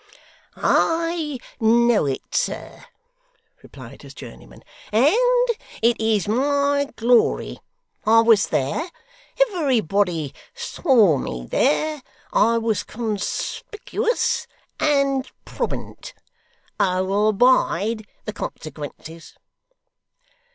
'I know it, sir,' replied his journeyman, 'and it is my glory. I was there, everybody saw me there. I was conspicuous, and prominent. I will abide the consequences.